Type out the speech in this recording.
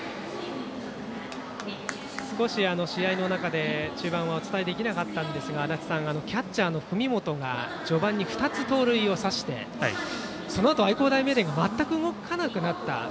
少し試合の中で中盤はお伝えできなかったんですが足達さんキャッチャーの文元が序盤に２つ盗塁を刺してそのあと愛工大名電は全く動かなくなった。